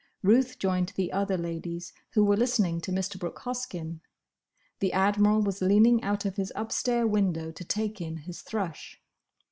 Ruth joined the other ladies, who were listening to Mr. Brooke Hoskyn. The Admiral was leaning out of his upstair window to take in his thrush.